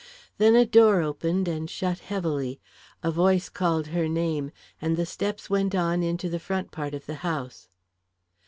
Then a door opened and shut heavily, a voice called her name, and the steps went on into the front part of the house.